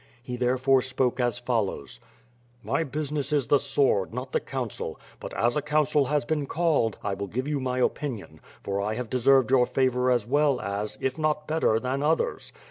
He therefore spoke as fol lows: "My business is the sword, not the council; but, as a coun cil has been called, I will give you my opinion, for 1 have deserved your favor as well as, if not better, than others.